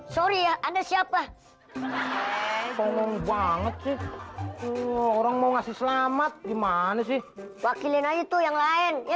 sorry ya anda siapa ngomong banget sih orang mau ngasih selamat gimana sih wakilin aja tuh yang lain ya